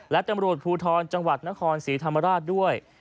และตำรวจภูทรจังหวัดนครศรีธรรมราชด้วย